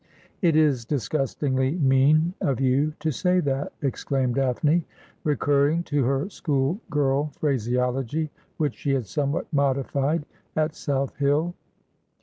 ' It is disgustingly mean of you to say that !' exclaimed Daphne, recurring to her school girl phraseology, which she had somewhat modified at South Hill.